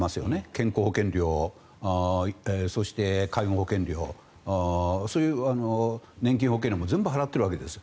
健康保険料そして、介護保険料年金保険料も全部払っているわけです。